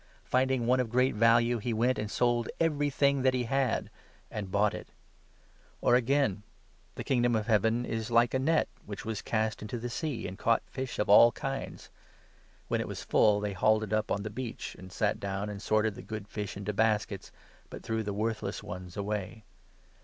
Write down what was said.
Finding one of 46 great value, he went and sold everything that he had, and bought it. Parable Or again, the Kingdom of Heaven is like a net 47 of the Net. which was cast into the sea, and caugnt fish of all kinds. When it was full, they hauled it up on the beach, 48 and sat down and sorted the good fish into baskets, but threw the worthless ones away.